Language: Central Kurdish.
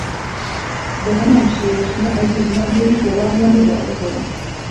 بەهەمان شێوەش نە عەلی و نە عومەریش وەڵامیان نەداوەتەوە